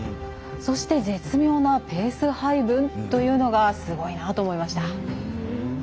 そして絶妙なペース配分というのがすごいなと思いました。